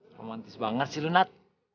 kau mantis banget sih lu nat